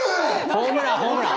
ホームランホームラン！